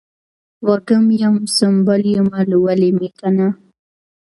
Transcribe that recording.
وږم یم ، سنبل یمه لولی مې کنه